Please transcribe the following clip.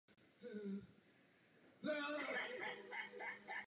Některé z nich vznikají jako předloha pro zamýšlené monumentální projekty v krajině.